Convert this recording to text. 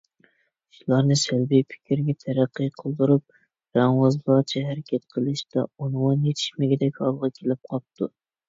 ئىشلارنى سەلبىي پىكىرگە تەرەققى قىلدۇرۇپ رەڭۋازلارچە ھەرىكەت قىلىشتا ئۇنۋان يېتىشمىگىدەك ھالغا كېلىپ قاپتۇ.